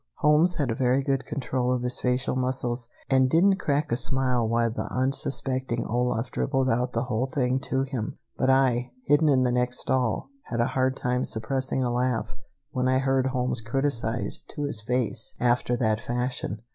Holmes had very good control of his facial muscles, and didn't crack a smile while the unsuspecting Olaf dribbled out the whole thing to him, but I, hidden in the next stall, had a hard time suppressing a laugh when I heard Holmes criticized to his face after that fashion.